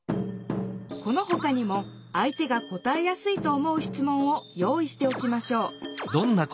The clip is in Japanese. このほかにも相手が答えやすいと思うしつもんを用意しておきましょう。